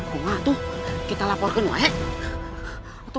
kuma kita laporkan wah